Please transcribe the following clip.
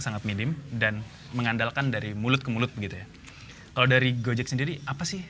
sangat minim dan mengandalkan dari mulut ke mulut begitu ya kalau dari gojek sendiri apa sih